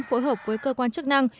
phối hợp với cơ quan chức năng